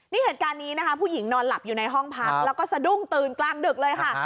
นี่เหตุการณ์นี้นะคะผู้หญิงนอนหลับอยู่ในห้องพักแล้วก็สะดุ้งตื่นกลางดึกเลยค่ะ